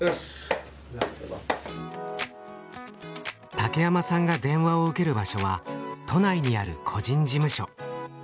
竹山さんが電話を受ける場所は都内にある個人事務所。